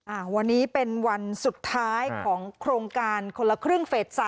อ่าวันนี้เป็นวันสุดท้ายของโครงการคนละครึ่งเฟส๓